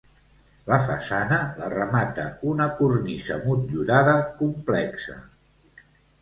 La façana la remata una cornisa motllurada complexa.